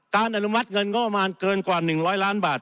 อนุมัติเงินงบประมาณเกินกว่า๑๐๐ล้านบาท